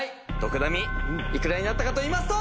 疋瀬いくらになったかといいますと。